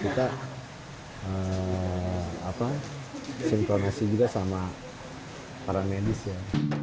kita sinkronasi juga sama para medis ya